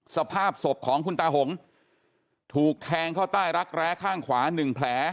สภาพศพของคุณตาหงถูกแทงเข้าใต้รักแร้ข้างขวา๑แผล